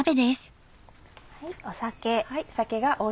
酒。